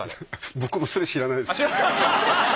僕もそれ知らないです。